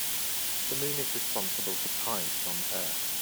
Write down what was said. The moon is responsible for tides on earth.